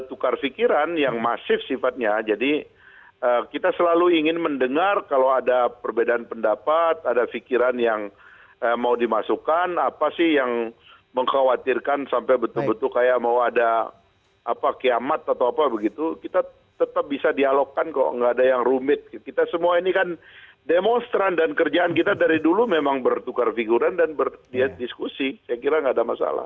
ada tukar fikiran yang masif sifatnya jadi kita selalu ingin mendengar kalau ada perbedaan pendapat ada fikiran yang mau dimasukkan apa sih yang mengkhawatirkan sampai betul betul kayak mau ada apa kiamat atau apa begitu kita tetap bisa dialogkan kalau nggak ada yang rumit kita semua ini kan demonstran dan kerjaan kita dari dulu memang bertukar figuran dan berdiskusi saya kira nggak ada masalah